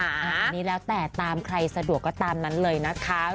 อันนี้แล้วแต่ตามใครสะดวกก็ตามนั้นเลยนะคะ